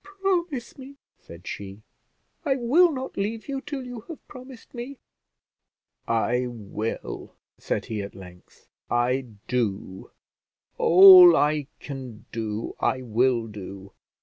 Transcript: "Promise me," said she; "I will not leave you till you have promised me." "I will," said he at length; "I do all I can do, I will do."